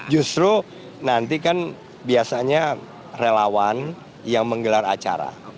justru nanti kan biasanya relawan yang menggelar acara